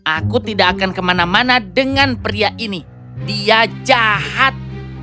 aku tidak akan kemana mana dengan pria ini dia jahat